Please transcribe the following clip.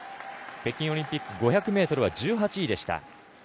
北京オリンピック５００ｍは１８位でした。